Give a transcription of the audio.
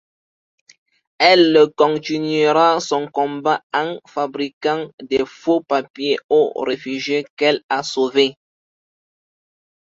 Elle continuera son combat en fabriquant des faux papiers aux réfugiés qu’elle a sauvé.